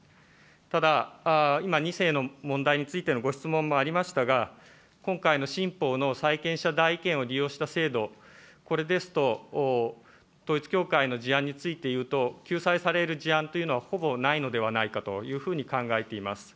ただ、今２世の問題についてのご質問もありましたが、今回の新法の債権者代位権を利用した制度、これですと、統一教会の事案についていうと、救済される事案というのはほぼないのではないかというふうに考えています。